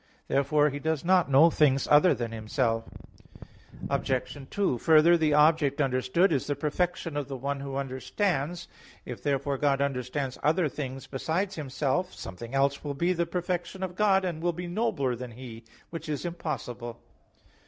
Therefore He does not know things other than Himself. Obj. 2: Further, the object understood is the perfection of the one who understands. If therefore God understands other things besides Himself, something else will be the perfection of God, and will be nobler than He; which is impossible.